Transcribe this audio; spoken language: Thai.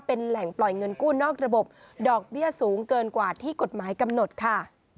เป็นแหล่งปล่อยเงินกู้นอกระบบดอกเบี้ยสูงเกินกว่าที่กฎหมายกำหนดค่ะ